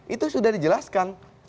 itu sudah dijelaskan